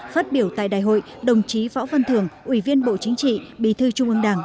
phát biểu tại đại hội đồng chí võ văn thường ủy viên bộ chính trị bì thư trung ương đảng